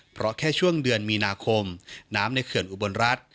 เพราะแค่ช่วงเดือนมีนาคมน้ำในเขื่อนอุบลรัฐ